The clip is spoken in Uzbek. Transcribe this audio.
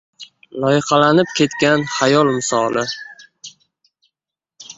Loyqalanib ketgan xayol misoli.